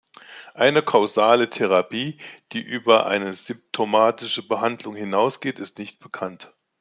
Eine kausale Therapie, die über eine symptomatische Behandlung hinausgeht, ist nicht bekannt.